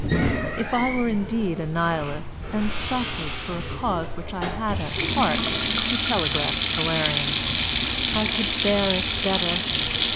"If I were indeed a Nihilist, and suffered for a cause which I had at heart," he telegraphed to Valerian, "I could bear it better.